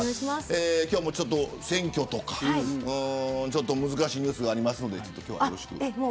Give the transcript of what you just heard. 今日も選挙とか、ちょっと難しいニュースがありますのでよろしくお願いします。